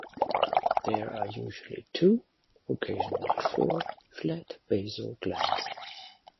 There are usually two (occasionally four) flat basal glands.